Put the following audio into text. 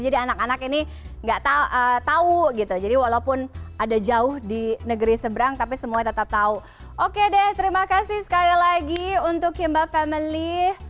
jadi anak anak ini nggak tahu gitu jadi walaupun ada jauh di negeri seberang tapi semua tetap tahu oke deh terima kasih sekali lagi untuk kimba family